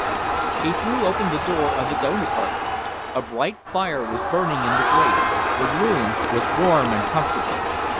He threw open the door of his own apartment. A bright fire was burning in the grate, the room was warm and comfortable.